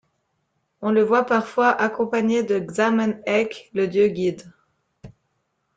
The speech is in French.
On le voit parfois accompagné de Xamen Ek, le dieu guide.